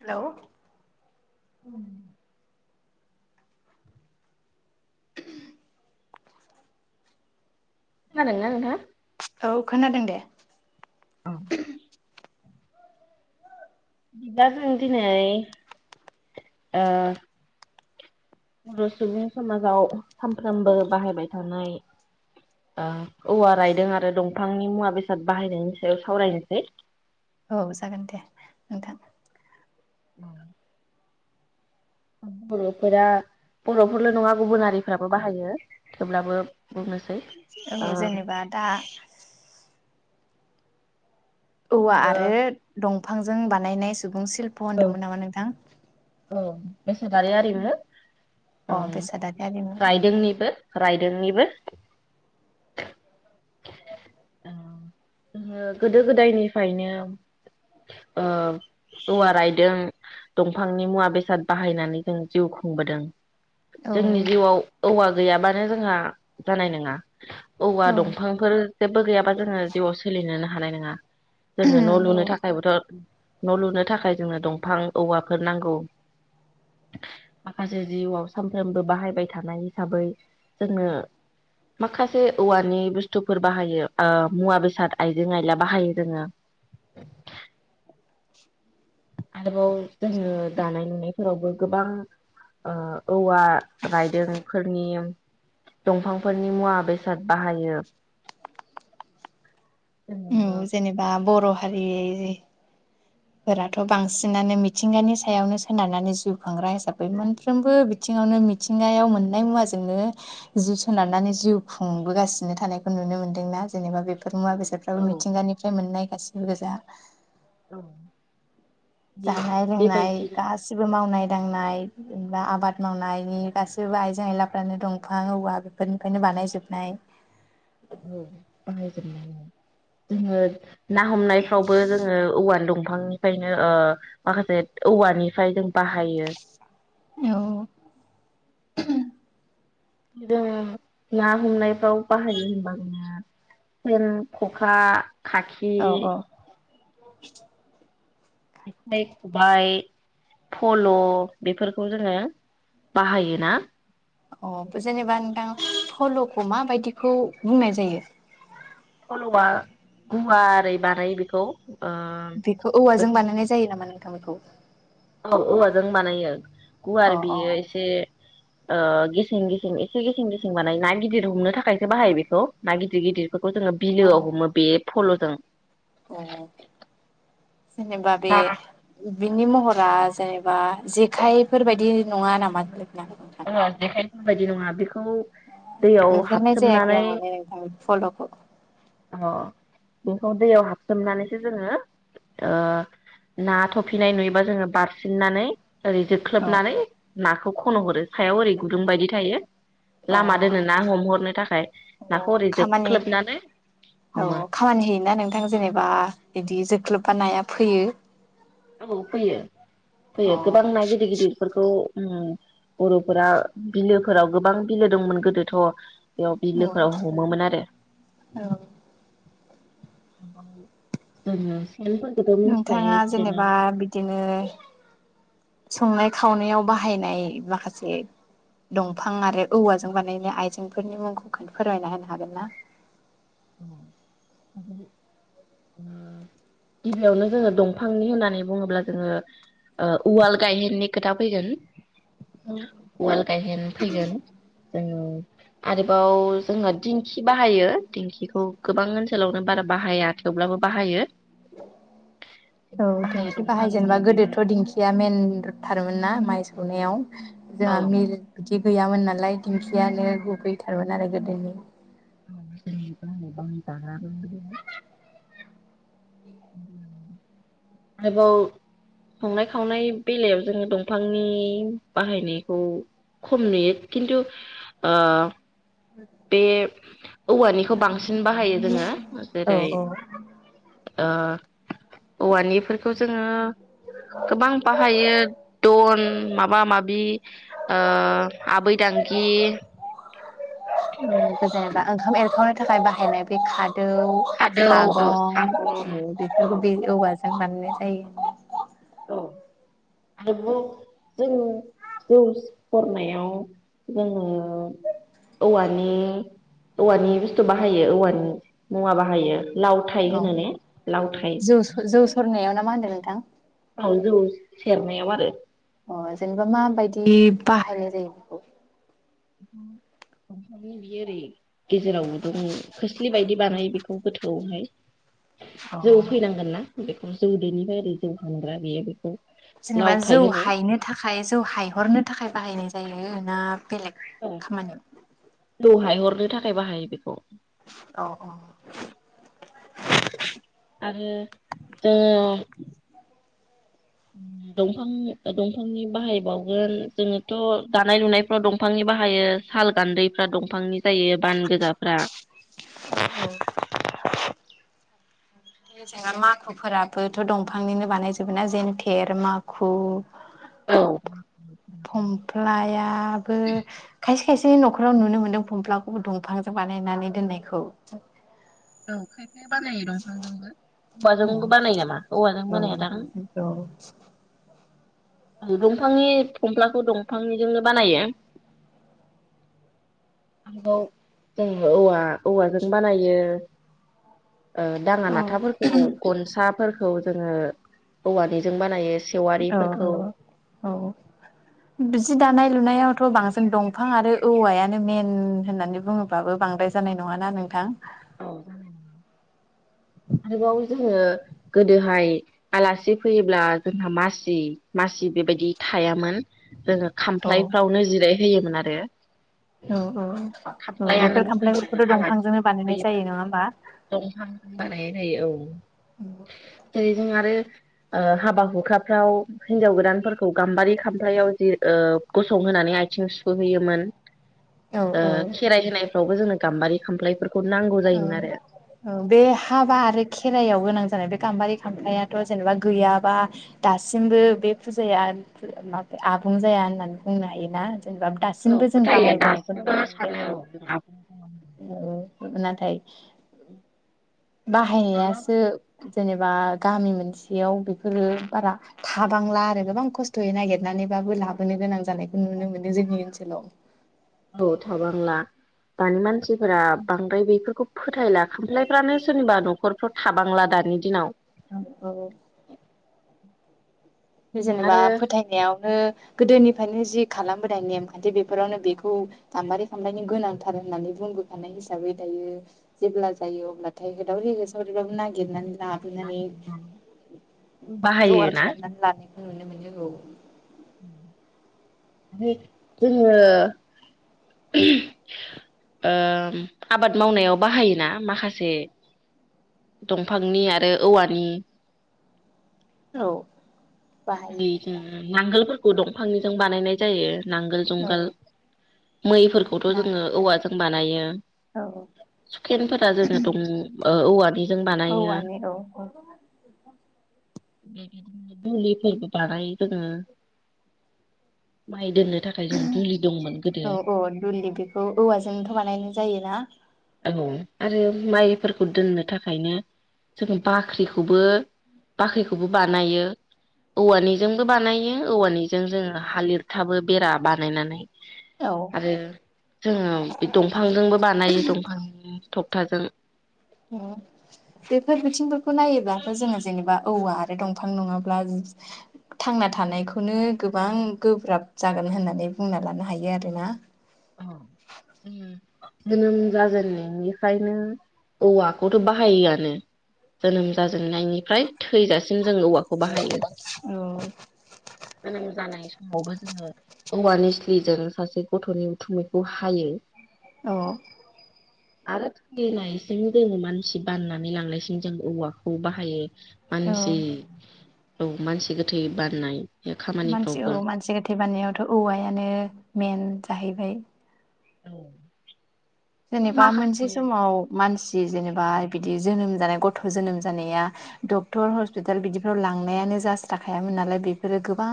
Hello Om. खोनादों ना नोंथांङा? औ खोनादों दे। बिदिबा जों दिनै ओ बर' सुबुं समाजाव सानफ्रोमबो बाहायबाय थानाय ओ औवा रायदों आरो दंफांनि मुवा बेसाद बाहायनायनि सायाव सावरायनोसै। औ जागोन दे नोंथां बर'फोरा बर'फोरल' नङा गुबुन हारिफोराबो बाहायो थेवब्लाबो बुंनोसै औ ओ जेनेबा दा औवा आरो औ दं बिफांजों बानायनाय सुबुं शिल्प' होनदोंमोन नामा नोंथां औ बेसादारि आरिमु अ बेसादारि आरिमु औ रायदोंनिबो रायदोंनिबो जोंङो गोदो गोदायनिफ्रायनो ओ औवा रायदों दंफांनि मुवा बेसाद बाहायनानै जों जिउ खुंबोदों। जोंनि औ जिउआव औवा गैयाबानो जोंहा जानाय नङा औवा औ दंफांफोर जेबो गैयाबा जोंङो जिउआव सोलिनोनो हानाय नङा जोंङो न' लुनो थाखायबोथ' न' लुनो थाखाय जोंनो दंफां औवाफोर नांगौ माखासे जिउआव सानफ्रामबो बाहायबाय थानाय हिसाबै जोंङो माखासे औवानि बुस्थुफोर बाहायो ओ मुवा बेसाद आइजें आइला बाहायो जोंङो। आरोबाव जोंङो दानाय लुनायफोरावबो गोबां औवा रायदोंफोरनि दंफांफोरनि मुवा बेसाद बाहायो। उम जोङो जेनेबा बर' हारि फोराथ' बांसिनानो मिथिंगानि सायावनो सोनारनानै जिउ खांग्रा हिसाबै मोनफ्रोमबो बिथिङावनो मिथिंगायाव मोननाय मुवाजोंनो जिउ सोनारनानै जिउ खुंबोगासिनो थानायखौ नुनो मोन्दोंना जेनेबा बेफोर मुवा बेसा औ मिथिंगानिफ्राय मोननाय गासिबो गोजा औ बे जानाय लोंनाय बेबायदिनो गासिबो मावनाय दांनाय जेनबा आबाद मावनायनि गासिबो आइजें आइलाफ्रानो दंफां औवा बेफोरनिफ्रायनो बानायजोबनाय। जोंङो ना हमनायफ्रावबो जोंङो औवानि दंफांनिफ्रायनो माखासे औवानिफ्राय जों बाहायो। औ जों ना हमनायफ्राव बाहायो होनबा जोंङो सेन खखा खाखि औ [inaudible] जेखाइ खबाइ फल' बेफोरखौ जोंङो बाहायोना? अ जेनेबा नोंथां फल'खौ माबायदिखौ बुंनाय जायो? फल'आ गुवा ओरै बानायो बेखौ ओ बेखौ औवाजों बानायनाय जायो नामा नोंथां? फल बखौ औ औवाजों बानायो। अ गुवार अ बियो एसे ओ गेसें गेसें एसे गेसें गेसें बानाय ना गिदिर हमनो थाखायसो बाहायो बेखौ ना गिदिर गिदिर। बेफोरखौ जोंङो अ बिलोआव हमो बे फल'जों अ जेनेबा बे ना ओ बे नोंनि महरा जेनेबा जेखायफोर बायदि नङा नामा? नोंथां ओहो जेखायफोर बायदि नङा बे खौ नुफेरनाय जायाखै आं मानि नोंथां फल'खौ अ बेखौ दैयाव हाबसोमनानैसो जोङो ओ ना थफिनाय नुयोबा जोङो बारसिननानै ओरै औ जोख्लोबनानै नाखौ खन' हरो सायाव ओरै गुदुं बायदि थायो अ लामा दोनो ना हमहरनो थाखाय अ नाखौ ओरै खामानि जोख्लोबनानै औ हमो। खामानि होयोना बा नाया फैयो औ फैयो अ फैयो गोबां ना गिदिर गादिरफोरखौ उम बर'फोरा बिलोफोराव गोबां बिलो दंमोन गोदोथ' बेयाव औ बिलोफोराव हमोमोन आरो उम फोरखौथ' नोंथाङा मिनथिखायो जेनेबा बिदिनो संनाय खावनायाव बाहायनाय माखासे दंफां आरो औवाजों बानायनाय आइजेंफोरनि मुंखौ फोरमायना होनो हागोन ना? ओ गिबियावनो जोङो दंफांनि होननानै बुङोब्ला जोङो ओ उवाल गायहेननि खोथा फैगोन उवाल गायहेन फैगोन औ आरोबाव जोंहा दिंखि बाहायो दिंखिखौ गोबां ओनसोलावनो बारा बाहाया थेवब्लाबो बाहायो औ बाहायो दिंखि बाहाय जेनबा दंफांनि बेबो गोदोथ' दिंखिया मेनथारमोन ना माइ सौनायाव औ जोंहा मि [unintelligible] गैयामोन नालाय दिंखियानो औ गुबैथारोमोन आरो गो बेनो [unintelligible] आरोबाव संनाय खावनाय बेलायाव जोङो दंफांनि बाहायनायखौ खम नुयो खिन्थु ओ बे औवानिखौ बांसिन बाहायो जोङो औ जेरै औ ओ औवानिफोरखौ जोङो गोबां बाहायो दन माबा माबि ओ आबै दांगि [inaudible] [inaudible] थाखाय बाहायनाय बे कार्ड दौ खादौ औ सागं सागं ओ औ बेफोरखौ बे औवा जों मोननाय जायो औ [inaudible] जों जौ सरनायाव जोङो औवानि-औवानि बुस्थु बाहायो औवानि मुवा बाहायो लावथाय औ होनो ने लावथाय जौसोर- जौसोरनायाव ना मा होनदों नोंथां औ जौ सेरनायाव आरो अ जेनेबा माबायदि बाहायनाय जायो बेखौ [inaudible] बियो ओरै गेजेराव गुदुं खोस्लि बायदि बानायो बेखौ गोथौआवहाय अ जौ फैनांगोनना जौदैनिफ्राय ओरै जौ हानग्रा बेयो बेखौ जेनेबा लावथाय जौ होनो हायनो थाखाय जौ हायहरनो थाखाय बाहायनाय जायो ना बेलेग खामानियाव हरनो थाखाय बाहायो बेखौ औ ओ आरो दों दंफां-दंफांनि बाहायबावगोन जोङोथ दानाय लुनायफ्राव दंफांनि बाहायो साल गान्दैफ्रा दंफांनि जायो बान गोजाफ्रा [inaudible] [inaudible] माखुफोराबोथ दंफांनिनो बानायजोबो ना जेनथेर माखु औ फमफ्लायाबो खायसे खायसेनि नखराव नुनो मोन्दों फमफ्लाखौबो दंफांजों बानायनानै दोननायखौ औ खाय फाया बानायो [unintelligible] जोंबो बा औ जोंबो बानायो नामा औवाजों बानायादां दंफांनि फंफ्लाखौ दंफांनिजोंनो बानायो [unintelligible] औवा-औवाजों बानायो ओ दाङा नाथाफोरखौ गनसा फोरखौ जोङो औवानिजों बानायो ओ सेवारिफोरखौ ओ औ बि जि दानाय लुनायावथ बांसिन दंफां आरो औवायानो मेन होननानै बुङोबाबो बांद्राय जानाय नङाना नोंथां [inaudible] आरोबाव जोङो गोदोहाय आलासि फैयोब्ला जोंहा मासि-मासि बेबायदि थायामोन जोङो औ खामफ्लायफ्रावनो जिरायहोयोमोन आरो औ औ खामफ्लायानो बेफोर गुबैयोमोन खामफ्लायफोरखौथ' दंफांजोंनो आलासिफोर बानायनाय फैयोबा जायो नङा होमबा दंफां [inaudible] जायो औ बेजों आरो ओ हाबा हुखाफ्राव हिनजाव गोदानफोरखौ गाम्बारि खामफ्रायाव जि ओ गसंहोनानै आथिं सुहोयोमोन। औ ओ औ खेराइ होनाय। रावबो गाम्बारि खामफ्लफोर। औ औ बे। हाबा आरो खेराइायाव गोनां जानाय बे गाम्बारि खामफ्लायाथ' जेनेबा गैयाबा दासिमबो बे फुजाया माब आबुं जाया होननानै बुंनो हायोना। जेनेबा दासिमबो जों बाहायबोनायखौ नुनो मोनदों औ औ नाथाय। बाहायनायासो। जेनेबा गामि मोनसेयाव बेफोरो बारा थाबांला आरो गोबां खस्थ'यै नागिरनानैबाबो लाबोनो गोनां जानायखौ नुनो मोनो जोंनि ओनसोलाव। औ थाबांला दानि मानसिफोरा बांद्राय बेफोरखौ फोथायला खामफ्लायफ्रानो सोरनिबा न'खरफ्राव थाबांला दानि दिनाव। औ-औ। [unintelligible] जेनेबा आरो फोथायनायावनो। गोदोनिफ्रायनो जि खालामबोनाय नेमखान्थि बेफोरावनो बेखौ गाम्बारि खामफ्लायनि गोनांथार होननानै बुंबोखानाय हिसाबै दायो जेब्ला जायो अब्लाथाय होदावरि होसावरिब्लााबो नागिरनानै। लाबोनानै नागिरनानै बाहायो जगार ना। खालामनानै नुनो मोनो ओ। बे जोङो। ओ आबाद मावनायाव बाहायोना माखासे दंफांनि आरो औवानि। औ। बाहायो बिनो गोबां नांगोलफोर। ग दंफांनिजों बानायनाय जायो। नांगोल जुंगाल। नांगौ मैफोरखौथ' जोङो औवाजों बानायो औ हुखेनफोरा जोङो दं। ओ औवा नि । औवानिऔ औ। दुलि। फोरबो बानाय जोङो। माइ दोननो थाखाय जों दुलि दंमोन गोदो औ-औ दुलि बेखौ औवाजोंथ' बानायनाय जायो ना। औ आरो माइफोरखौ दोननो थाखायनो जोङो बाख्रिखौबो बाख्रिखौबो बानायो औवानिजोंबो बानायो औवानिजों जोङो हा लिरथाबो बेरा बानायनानै। औ आरो जोङो बे दंफांजोंबो बानायो। थख्ताजों। बेफोर बिथिंफोरखौ नायोबथ' जोङो जेनेबा औवा आरो दंफां नङाब्ला थांना थानायखौनो गोबां गोब्राब जागोन होननानै बुंना लानो हायो आरो ना। जोनोम जाजेननायनिफ्रायनो औवाखौथ' बाहायोआनो जोनोम जाज। जोंनायनिफ्राय थैजासिम जों औवाखौ बाहायो। औ नबा जोङो औवानि निसलिजों सासे गथ'नि। उथुमैखौ हायो। औ [unintelligible] जोड़ो मानसि बाननानै लांनायसिम जों औवाखौ बाहायो औ मानसि औ मानसि गोथै बाननाय मानसि औ खामानिफ्रावबो मानसि गोथै बाननायावथ' औवायानो मेन जाहैबाय औ जेनेबा मोनसे समाव मानसि दि जेनेबा बिदि जोनोम जानाय गथ' जोनोम जानाया डक्टर हस्पिताल बिदिफ्राव लांनायानो जास्राखायामोन नालाय बेफोरो गोबां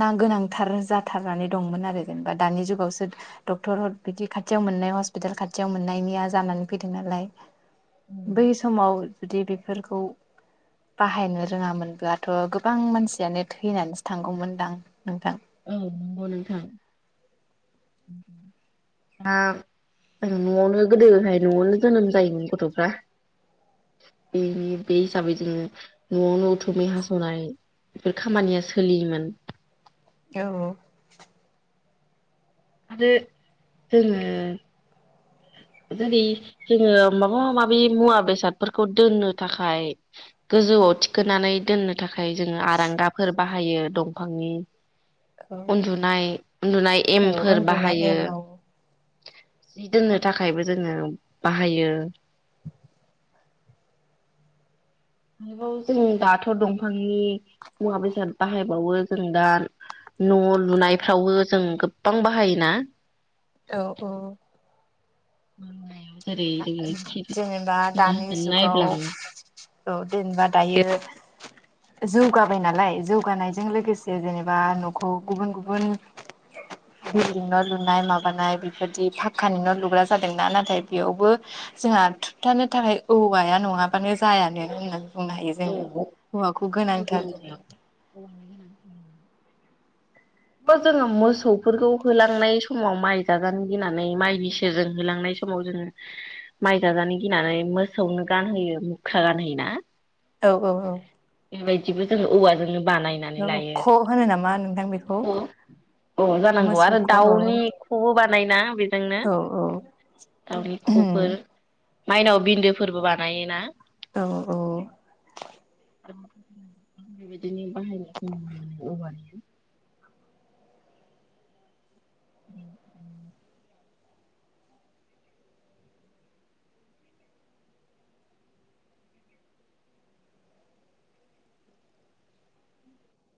ना गोनांथार जाथारनानै दंमोन आरो जेनेबा दानि जुगावसो डक्टर बिदि खाथि थियाव मोननाय हस्पिटाल खाथियाव मोननायनिया जानानै फैदों नालाय बै समाव जुदि बेफोरखौ बाहायनो रोङामोनब्लाथ' गोबां मानसियानो थैनानैसो थांगौमोनदां नोंथां औ नंगौ नोंथां [unintelligible] न'आवनो गोदोहाय न'आवनो जोनोम जायोमोन गथ'फ्रा बेनि बे हिसाबै जोङो न'आवनो उथुमै हास'नाय बेफोर खामानिया सोलियोमोन औ [unintelligible] जोङो माबा माबि मुवा बेसादफोरखौ दोननो थाखाय गोजौआव थिखोनानै दोननो थाखाय जोङो आरांगाफोर बाहायो दंफांनि औ उन्दुनाय उन्दुनाय औ एम फोर उन्दुनाय बाहायो एम औ जि दोननो थाखायबो जोङो बाहायो [unintelligible] जों दाथ' दंफां नि मुवा बेसाद बाहायबावो जों दा न' लुनायफ्रावबो जों गोबां बाहायोना औ औ [unintelligible] जोङो खिरि जेनेबा मा दानि होनगोन जुगाव नायब्लां औ देनेबा दायो जौगाबाय नालाय जौगानायजों लोगोसे जेनेबा न'खौ गुबुन गुबुन बिल्दिं न' लुनाय माबानाय बेफोरदि फाकानि न' लुग्रा जादोंना नाथाय बेयावबो जोंहा थोबथानो थाखाय औवाया नङाबानो जायानो बुंनो हायो औ जोङो औवाखौ खामानि गोनांथार ज मावनायाव औवानि [unintelligible] जोङो मोसौफोरखौ होलांनाय समाव माइ जाजानो गिनानै माइनि सेरजों होलांनाय समाव जोङो माइ जाजानो गिनानै मोसौनो गानहोयो मुख्रा गानहोयो ना औ औ बेबायदिबो जोङो औवाजोंनो बानायनानै औ लायो ख' होनो नामा नोंथां बेख [unintelligible] अ जानांगौ आरो औ दाउनि ख'बो बानायोना बेजोंनो औ दाउनि ख'फोर माइनाव बिन्दोफोरबो बानायोना औ औ [unintelligible] दिनो बाहायनायखौ [unintelligible] औवानि [inaudible]